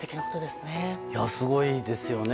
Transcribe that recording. すごいですよね。